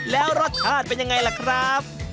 แล้วรสชาติเป็นยังไงล่ะครับ